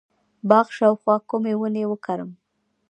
د باغ شاوخوا کومې ونې وکرم؟